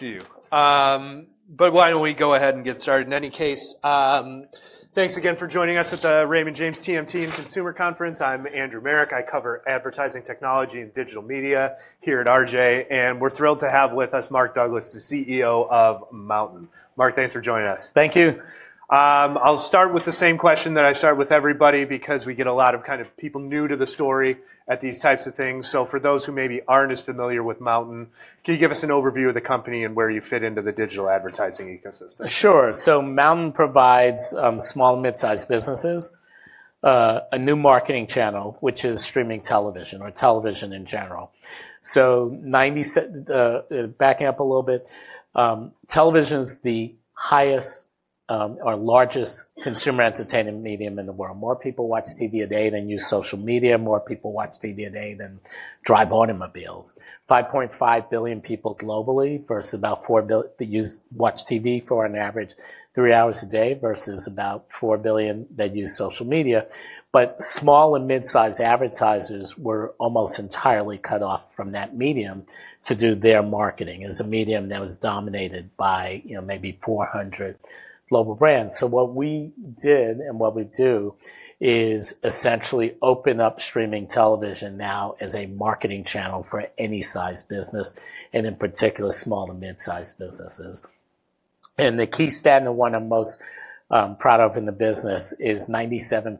But why don't we go ahead and get started? In any case, thanks again for joining us at the Raymond James TMT and Consumer Conference. I'm Andrew Marok. I cover advertising technology and digital media here at RJ, and we're thrilled to have with us Mark Douglas, the CEO of MNTN. Mark, thanks for joining us. Thank you. I'll start with the same question that I start with everybody because we get a lot of kind of people new to the story at these types of things. So for those who maybe aren't as familiar with MNTN, can you give us an overview of the company and where you fit into the digital advertising ecosystem? Sure. So MNTN provides small and mid-sized businesses a new marketing channel, which is streaming television or television in general. So backing up a little bit, television is the highest or largest consumer entertainment medium in the world. More people watch TV a day than use social media. More people watch TV a day than drive automobiles. 5.5 billion people globally versus about 4 billion watch TV for an average three hours a day versus about 4 billion that use social media. But small and mid-sized advertisers were almost entirely cut off from that medium to do their marketing as a medium that was dominated by maybe 400 global brands. So what we did and what we do is essentially open up streaming television now as a marketing channel for any size business, and in particular, small and mid-sized businesses. The key statement one I'm most proud of in the business is 97%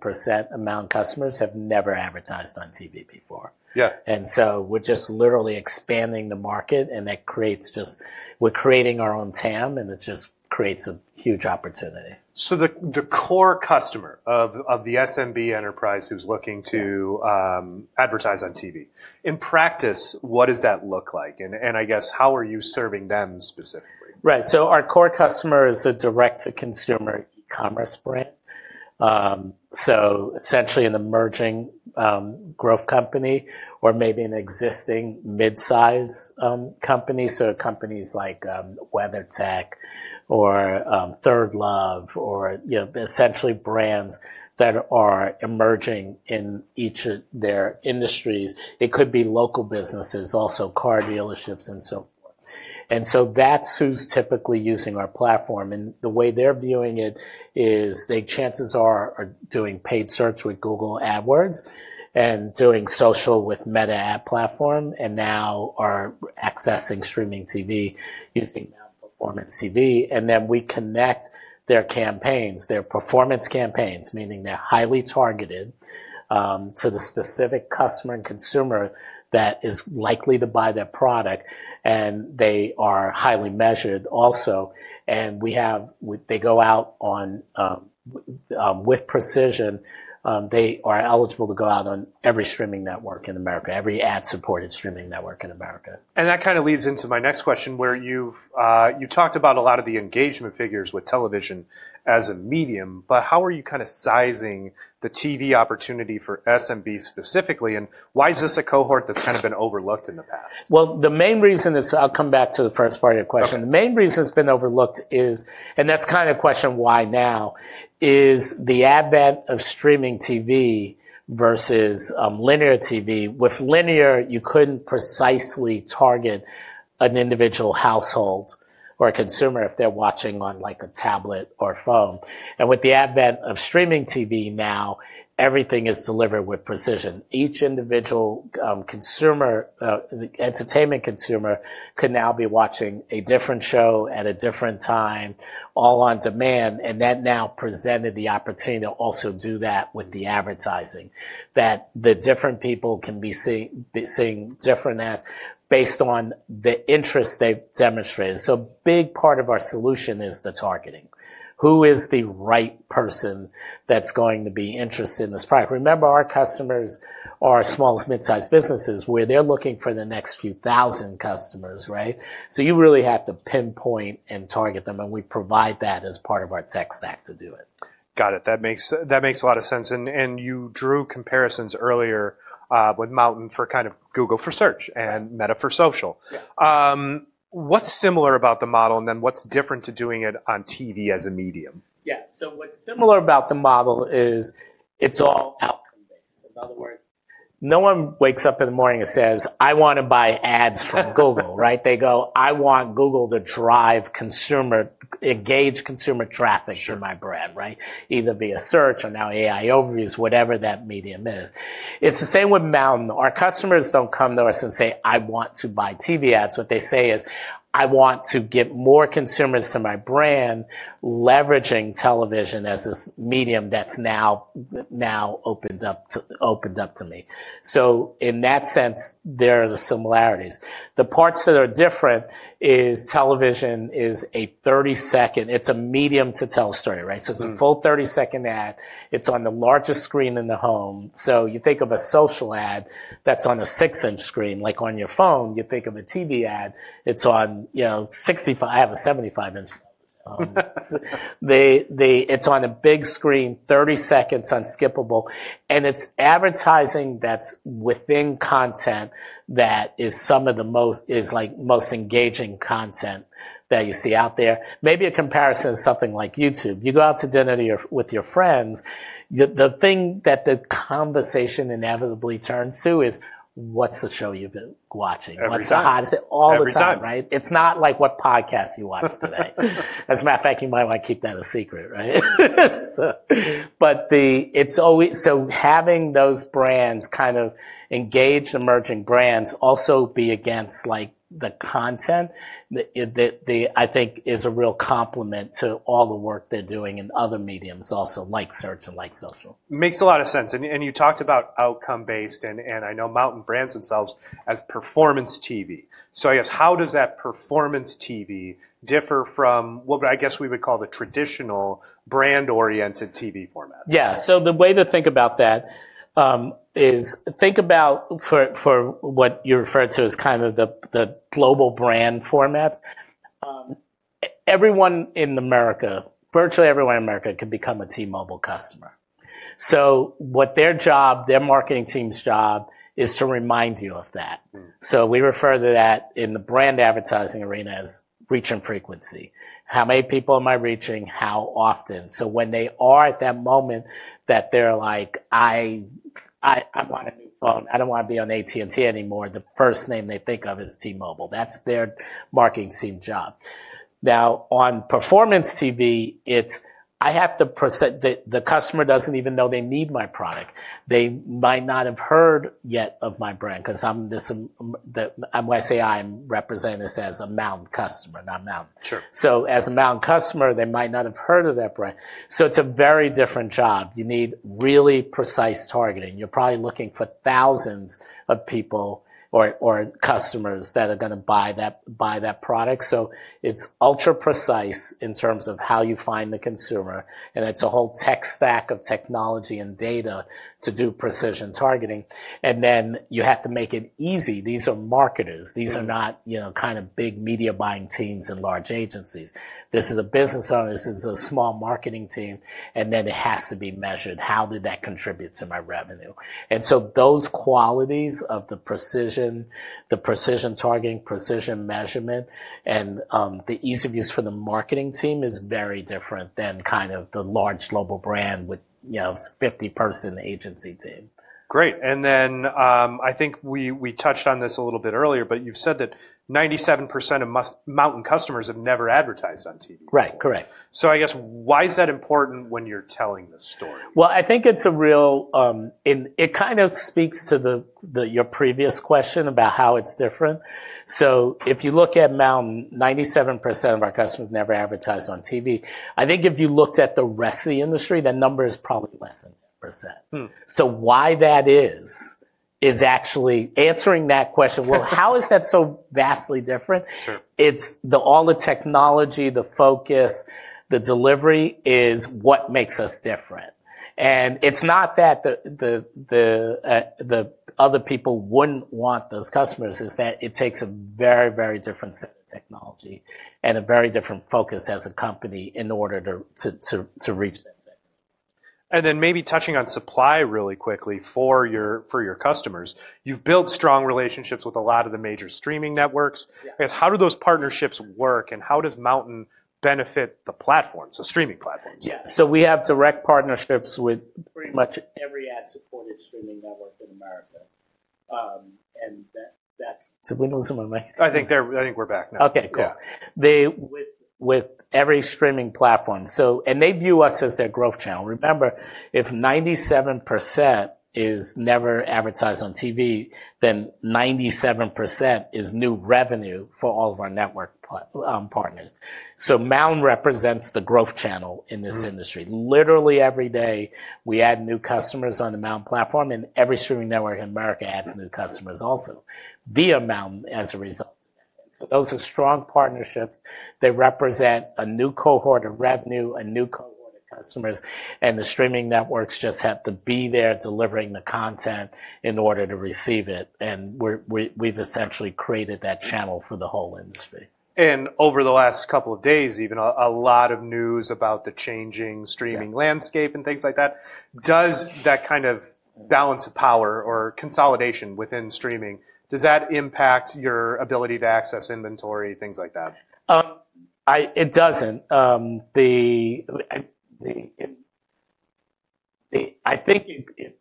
of MNTN customers have never advertised on TV before. Yeah. And so, we're just literally expanding the market, and that creates just we're creating our own TAM, and it just creates a huge opportunity. So the core customer of the SMB enterprise who's looking to advertise on TV, in practice, what does that look like? And I guess, how are you serving them specifically? Right, so our core customer is a direct-to-consumer e-commerce brand, so essentially an emerging growth company or maybe an existing mid-sized company, so companies like WeatherTech or ThirdLove or essentially brands that are emerging in each of their industries. It could be local businesses, also car dealerships and so forth, and so that's who's typically using our platform, and the way they're viewing it is they chances are doing paid search with Google AdWords and doing social with Meta ad platform and now are accessing streaming TV using now Performance TV. And then we connect their campaigns, their performance campaigns, meaning they're highly targeted to the specific customer and consumer that is likely to buy their product, and they are highly measured also. And they go out with precision. They are eligible to go out on every streaming network in America, every ad-supported streaming network in America. That kind of leads into my next question, where you talked about a lot of the engagement figures with television as a medium, but how are you kind of sizing the TV opportunity for SMB specifically? Why is this a cohort that's kind of been overlooked in the past? The main reason is I'll come back to the first part of your question. The main reason it's been overlooked is, and that's kind of the question why now, is the advent of streaming TV versus linear TV. With linear, you couldn't precisely target an individual household or a consumer if they're watching on like a tablet or phone. With the advent of streaming TV now, everything is delivered with precision. Each individual entertainment consumer could now be watching a different show at a different time, all on demand. That now presented the opportunity to also do that with the advertising, that the different people can be seeing different ads based on the interest they've demonstrated. A big part of our solution is the targeting. Who is the right person that's going to be interested in this product? Remember, our customers are small and mid-sized businesses where they're looking for the next few thousand customers, right? So you really have to pinpoint and target them, and we provide that as part of our tech stack to do it. Got it. That makes a lot of sense. And you drew comparisons earlier with MNTN for kind of Google for search and Meta for social. What's similar about the model and then what's different to doing it on TV as a medium? Yeah. So what's similar about the model is it's all outcome-based. In other words, no one wakes up in the morning and says, "I want to buy ads from Google," right? They go, "I want Google to drive engaged consumer traffic to my brand," right? Either via search or now AI Overviews, whatever that medium is. It's the same with MNTN. Our customers don't come to us and say, "I want to buy TV ads." What they say is, "I want to get more consumers to my brand leveraging television as this medium that's now opened up to me." So in that sense, there are the similarities. The parts that are different is television is a 30-second, it's a medium to tell story, right? So it's a full 30-second ad. It's on the largest screen in the home. So you think of a social ad that's on a 6-inch screen, like on your phone. You think of a TV ad, it's on 65. I have a 75-inch. It's on a big screen, 30 seconds, unskippable. And it's advertising that's within content that is some of the most engaging content that you see out there. Maybe a comparison is something like YouTube. You go out to dinner with your friends. The thing that the conversation inevitably turns to is, "What's the show you've been watching? Every time. It's the hottest all the time, right? It's not like what podcasts you watch today. As a matter of fact, you might want to keep that a secret, right? It's always so having those brands, kind of engaged emerging brands, also be against the content, I think is a real complement to all the work they're doing in other mediums also like search and like social. Makes a lot of sense. And you talked about outcome-based, and I know MNTN brands itself as Performance TV. So I guess, how does that Performance TV differ from what I guess we would call the traditional brand-oriented TV formats? Yeah. So the way to think about that is think about for what you refer to as kind of the global brand format, everyone in America, virtually everyone in America can become a T-Mobile customer. So what their job, their marketing team's job is to remind you of that. So we refer to that in the brand advertising arena as reach and frequency. How many people am I reaching? How often? So when they are at that moment that they're like, "I want a new phone. I don't want to be on AT&T anymore," the first name they think of is T-Mobile. That's their marketing team job. Now, on Performance TV, it's I have to present. The customer doesn't even know they need my product. They might not have heard yet of my brand because I'm this I say I'm represented as a MNTN customer, not MNTN. So as a MNTN customer, they might not have heard of that brand. So it's a very different job. You need really precise targeting. You're probably looking for thousands of people or customers that are going to buy that product. So it's ultra precise in terms of how you find the consumer. And it's a whole tech stack of technology and data to do precision targeting. And then you have to make it easy. These are marketers. These are not kind of big media buying teams and large agencies. This is a business owner. This is a small marketing team. And then it has to be measured. How did that contribute to my revenue? And so those qualities of the precision, the precision targeting, precision measurement, and the ease of use for the marketing team is very different than kind of the large global brand with 50-person agency team. Great. And then I think we touched on this a little bit earlier, but you've said that 97% of MNTN customers have never advertised on TV. Right. Correct. So I guess, why is that important when you're telling the story? I think it's real. It kind of speaks to your previous question about how it's different. So if you look at MNTN, 97% of our customers never advertise on TV. I think if you looked at the rest of the industry, that number is probably less than 10%. So why that is, is actually answering that question, well, how is that so vastly different? It's all the technology, the focus, the delivery is what makes us different. And it's not that the other people wouldn't want those customers. It's that it takes a very, very different set of technology and a very different focus as a company in order to reach that segment. And then maybe touching on supply really quickly for your customers, you've built strong relationships with a lot of the major streaming networks. I guess, how do those partnerships work? And how does MNTN benefit the platforms, the streaming platforms? Yeah. So we have direct partnerships with pretty much every ad-supported streaming network in America, and that's I think we're back now. Okay. Cool. With every streaming platform, and they view us as their growth channel. Remember, if 97% is never advertised on TV, then 97% is new revenue for all of our network partners, so MNTN represents the growth channel in this industry. Literally every day, we add new customers on the MNTN platform, and every streaming network in America adds new customers also via MNTN as a result. Those are strong partnerships. They represent a new cohort of revenue, a new cohort of customers, and the streaming networks just have to be there delivering the content in order to receive it, and we've essentially created that channel for the whole industry. Over the last couple of days, even a lot of news about the changing streaming landscape and things like that. Does that kind of balance of power or consolidation within streaming, does that impact your ability to access inventory, things like that? It doesn't. I think if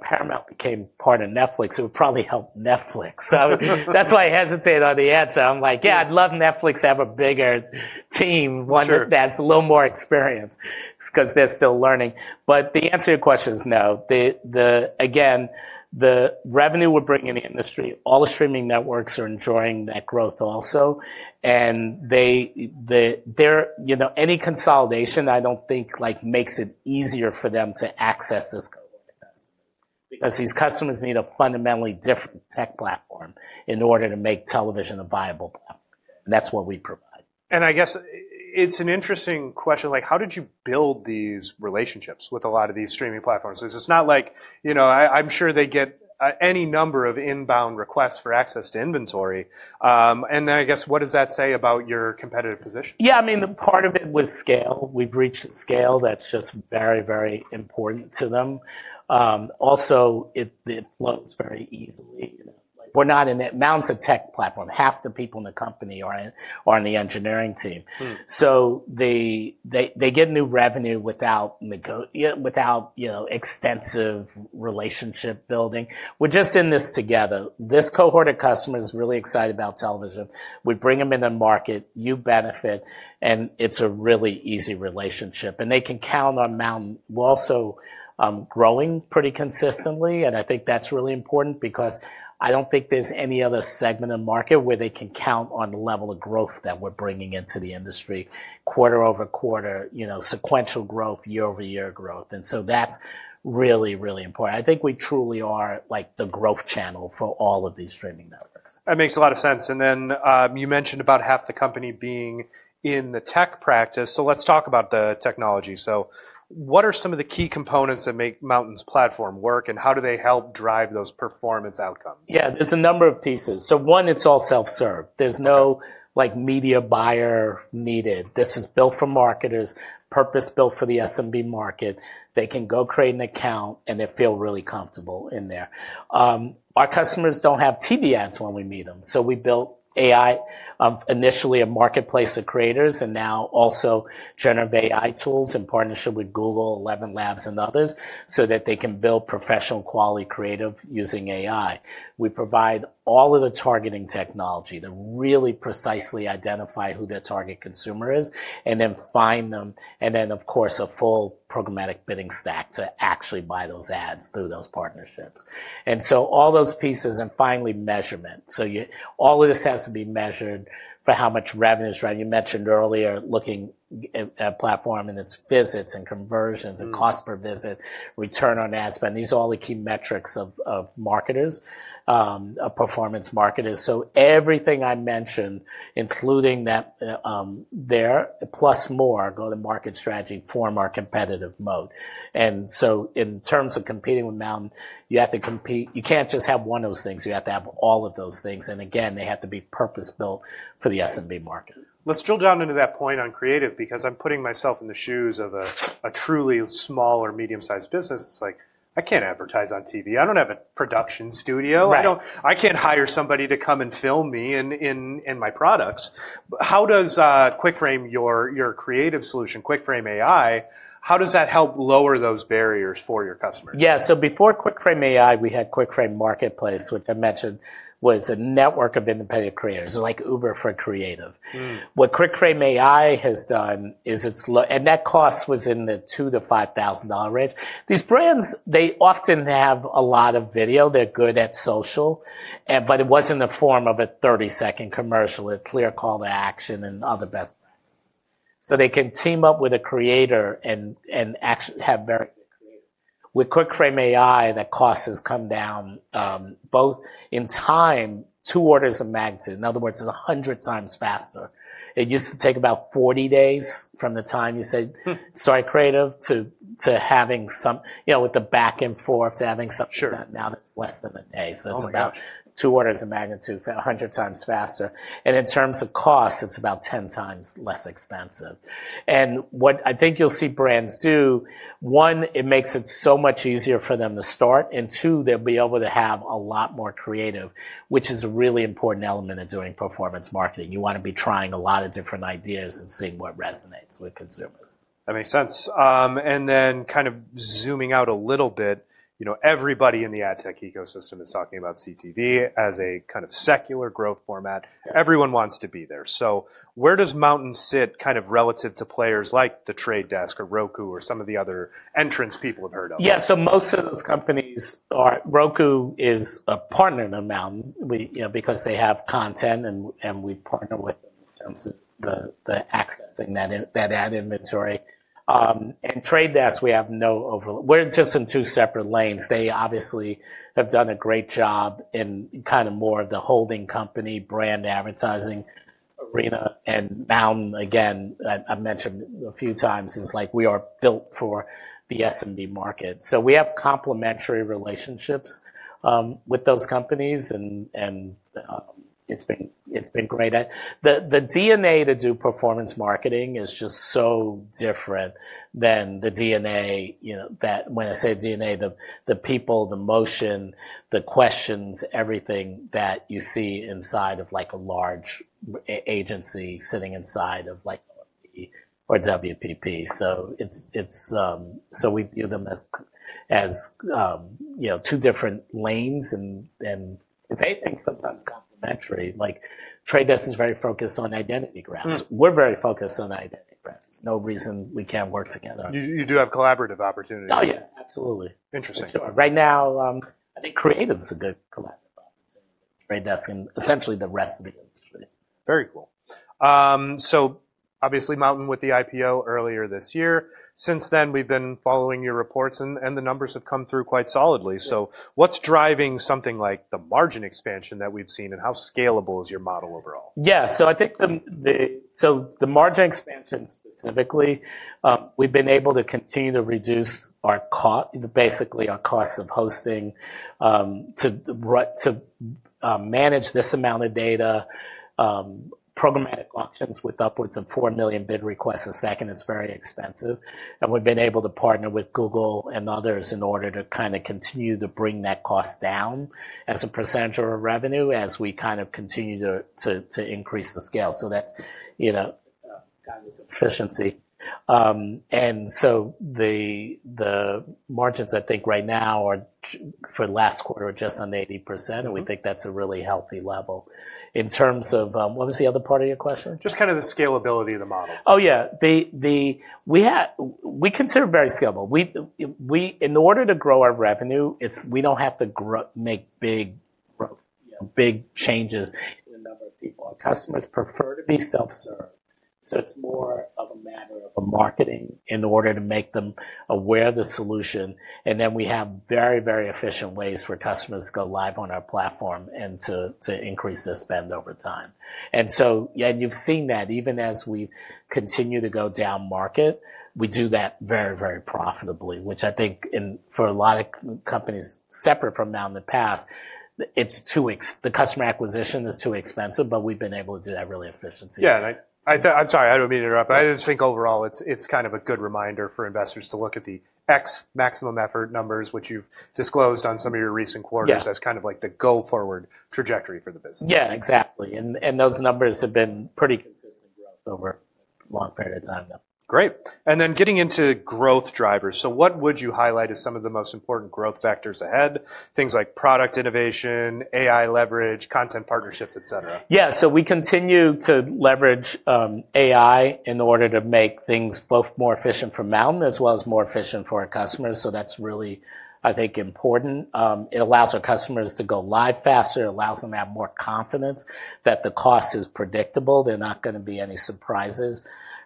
Paramount became part of Netflix, it would probably help Netflix. So that's why I hesitate on the answer. I'm like, yeah, I'd love Netflix to have a bigger team, one that's a little more experienced because they're still learning. But the answer to your question is no. Again, the revenue we're bringing in the industry, all the streaming networks are enjoying that growth also. And any consolidation, I don't think makes it easier for them to access this cohort of customers because these customers need a fundamentally different tech platform in order to make television a viable platform. And that's what we provide. And I guess it's an interesting question. How did you build these relationships with a lot of these streaming platforms? It's not like I'm sure they get any number of inbound requests for access to inventory. And then I guess, what does that say about your competitive position? Yeah. I mean, part of it was scale. We've reached scale. That's just very, very important to them. Also, it flows very easily. We're not in that. MNTN's a tech platform. Half the people in the company are in the engineering team. So they get new revenue without extensive relationship building. We're just in this together. This cohort of customers is really excited about television. We bring them into the market. You benefit, and it's a really easy relationship, and they can count on MNTN. We're also growing pretty consistently, and I think that's really important because I don't think there's any other segment of the market where they can count on the level of growth that we're bringing into the industry, quarter-over-quarter, sequential growth, year-over-year growth, and so that's really, really important. I think we truly are the growth channel for all of these streaming networks. That makes a lot of sense. And then you mentioned about half the company being in the tech practice. So let's talk about the technology. So what are some of the key components that make MNTN's platform work? And how do they help drive those performance outcomes? Yeah. There's a number of pieces, so one, it's all self-serve. There's no media buyer needed. This is built for marketers, purpose-built for the SMB market. They can go create an account, and they feel really comfortable in there. Our customers don't have TV ads when we meet them, so we built AI, initially a marketplace of creators, and now also generative AI tools in partnership with Google, ElevenLabs, and others so that they can build professional-quality creative using AI. We provide all of the targeting technology to really precisely identify who their target consumer is and then find them, and then, of course, a full programmatic bidding stack to actually buy those ads through those partnerships, and so all those pieces and finally measurement, so all of this has to be measured for how much revenue is driven. You mentioned earlier looking at a platform and its visits and conversions and cost per visit, return on ad spend. These are all the key metrics of marketers, of performance marketers. So everything I mentioned, including that there, plus more, go-to-market strategy for more competitive mode. And so in terms of competing with MNTN, you have to compete. You can't just have one of those things. You have to have all of those things. And again, they have to be purpose-built for the SMB market. Let's drill down into that point on creative because I'm putting myself in the shoes of a truly small or medium-sized business. It's like, I can't advertise on TV. I don't have a production studio. I can't hire somebody to come and film me and my products. How does QuickFrame, your creative solution, QuickFrame AI, help lower those barriers for your customers? Yeah. So before QuickFrame AI, we had QuickFrame Marketplace, which I mentioned was a network of independent creators like Uber for creative. What QuickFrame AI has done is it's, and that cost was in the $2,000-$5,000 range. These brands, they often have a lot of video. They're good at social. But it wasn't a form of a 30-second commercial, a clear call to action, and other best practices. So they can team up with a creator and actually have very good creative. With QuickFrame AI, that cost has come down both in time, two orders of magnitude. In other words, it's 100x faster. It used to take about 40 days from the time you say, "Start creative," to having some with the back and forth to having something done. Now it's less than a day. So it's about two orders of magnitude, 100x faster. In terms of cost, it's about 10x less expensive. What I think you'll see brands do, one, it makes it so much easier for them to start. Two, they'll be able to have a lot more creative, which is a really important element of doing performance marketing. You want to be trying a lot of different ideas and seeing what resonates with consumers. That makes sense, and then kind of zooming out a little bit. Everybody in the ad tech ecosystem is talking about CTV as a kind of secular growth format. Everyone wants to be there, so where does MNTN sit kind of relative to players like The Trade Desk or Roku or some of the other entrants people have heard of? Yeah. So most of those companies are. Roku is a partner to MNTN because they have content, and we partner with them in terms of accessing that ad inventory. Trade Desk, we have no overlap. We're just in two separate lanes. They obviously have done a great job in kind of more of the holding company brand advertising arena. MNTN, again, I've mentioned a few times, it's like we are built for the SMB market. So we have complementary relationships with those companies. It's been great. The DNA to do performance marketing is just so different than the DNA that when I say DNA, the people, the motion, the questions, everything that you see inside of a large agency sitting inside of like, for example WPP. We view them as two different lanes. They think sometimes complementary. Trade Desk is very focused on identity graphs. We're very focused on identity graphs. No reason we can't work together. You do have collaborative opportunities. Oh, yeah. Absolutely. Interesting. Right now, I think creative is a good collaborative opportunity. Trade Desk and essentially the rest of the industry. Very cool. So obviously, MNTN with the IPO earlier this year. Since then, we've been following your reports, and the numbers have come through quite solidly. So what's driving something like the margin expansion that we've seen, and how scalable is your model overall? Yeah. So I think the margin expansion specifically, we've been able to continue to reduce our cost, basically our cost of hosting to manage this amount of data. Programmatic auctions with upwards of 4 million bid requests a second. It's very expensive. And we've been able to partner with Google and others in order to kind of continue to bring that cost down as a percentage of our revenue as we kind of continue to increase the scale. So that's kind of efficiency. And so the margins, I think right now are for the last quarter are just under 80%. And we think that's a really healthy level. In terms of what was the other part of your question? Just kind of the scalability of the model. Oh, yeah. We consider it very scalable. In order to grow our revenue, we don't have to make big changes. A number of our customers prefer to be self-served. So it's more of a matter of marketing in order to make them aware of the solution. And then we have very, very efficient ways for customers to go live on our platform and to increase their spend over time. And so, yeah, you've seen that even as we continue to go down market, we do that very, very profitably, which I think for a lot of companies separate from MNTN in the past, it's that the customer acquisition is too expensive, but we've been able to do that really efficiently. Yeah. I'm sorry. I don't mean to interrupt, but I just think overall, it's kind of a good reminder for investors to look at the ex-Maximum Effort numbers, which you've disclosed on some of your recent quarters as kind of like the go-forward trajectory for the business. Yeah. Exactly. And those numbers have been pretty consistent growth over a long period of time. Great. And then getting into growth drivers. So what would you highlight as some of the most important growth factors ahead? Things like product innovation, AI leverage, content partnerships, etc. Yeah. So we continue to leverage AI in order to make things both more efficient for MNTN as well as more efficient for our customers. So that's really, I think, important. It allows our customers to go live faster. It allows them to have more confidence that the cost is predictable. There are not going to be any surprises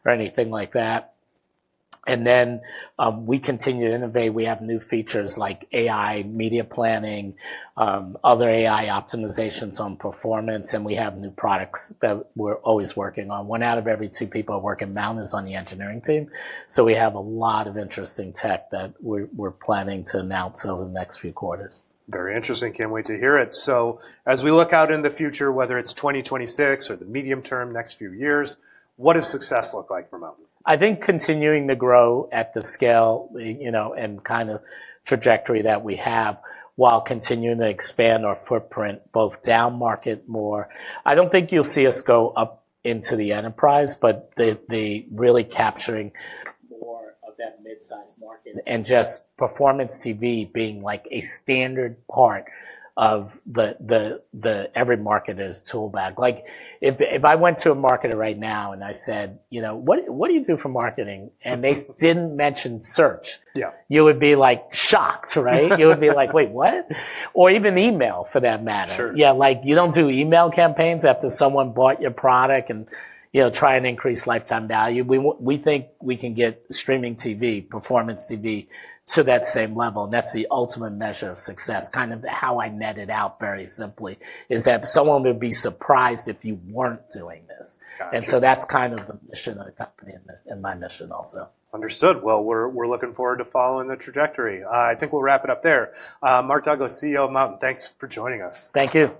or anything like that. And then we continue to innovate. We have new features like AI media planning, other AI optimizations on performance, and we have new products that we're always working on. One out of every two people working at MNTN is on the engineering team. So we have a lot of interesting tech that we're planning to announce over the next few quarters. Very interesting. Can't wait to hear it. So as we look out in the future, whether it's 2026 or the medium term, next few years, what does success look like for MNTN? I think continuing to grow at the scale and kind of trajectory that we have while continuing to expand our footprint both down-market more. I don't think you'll see us go up into the enterprise, but really capturing more of that mid-sized market and just Performance TV being like a standard part of every marketer's tool bag. If I went to a marketer right now and I said, "What do you do for marketing?" and they didn't mention search, you would be like shocked, right? You would be like, "Wait, what?" Or even email for that matter. Yeah. You don't do email campaigns after someone bought your product and try and increase lifetime value. We think we can get streaming TV, Performance TV to that same level, and that's the ultimate measure of success. Kind of how I net it out very simply is that someone would be surprised if you weren't doing this, and so that's kind of the mission of the company and my mission also. Understood. Well, we're looking forward to following the trajectory. I think we'll wrap it up there. Mark Douglas, CEO of MNTN, thanks for joining us. Thank you.